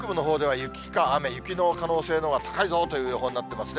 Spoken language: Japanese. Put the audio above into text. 雪の可能性のほうが高いぞという予報になってますね。